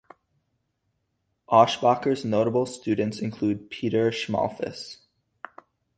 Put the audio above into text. Aeschbacher's notable students included Peter Schmalfuss.